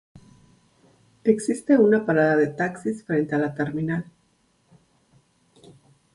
Existe una parada de taxis frente a la terminal.